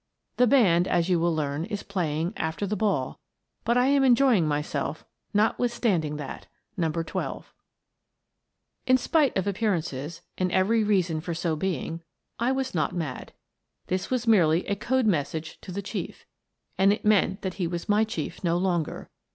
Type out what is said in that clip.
The band, as you will learn, is playing ' After the Ball/ but I am enjoying myself notwithstand ing that. " No. 12." In spite of appearances and every reason for so being, I was not mad. This was merely a code mes sage to the Chief — and it meant that he was my chief no longer.